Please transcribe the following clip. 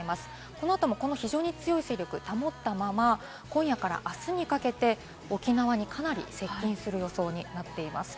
この後も非常に強い勢力を保ったまま、今夜からあすにかけて沖縄にかなり接近する予想になっています。